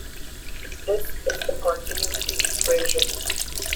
This is the continuity equation.